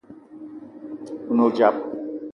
A ne odzap